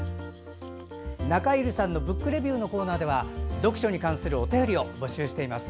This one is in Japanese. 中江有里さんの「ブックレビュー」のコーナーでは読書に関するお便りを募集しています。